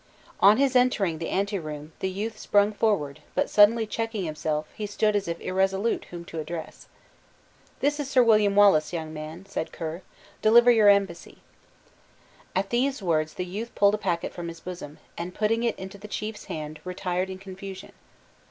On his entering the ante room, the youth sprung forward, but suddenly checking himself, he stood as if irresolute whom to address. "This is Sir William Wallace, young man," said Ker; "deliver your embassy." At these words the youth pulled a packet from his bosom, and putting it into the chief's hand, retired in confusion.